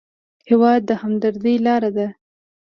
هېواد د همدردۍ لاره ده.